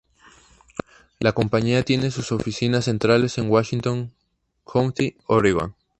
La compañía tiene sus oficinas centrales en Washington County, Oregón.